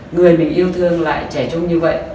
người mình yêu thương lại trẻ trung như vậy